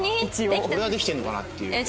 俺ができてるのかなっていう。